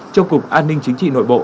cho cục an ninh chính trị nội bộ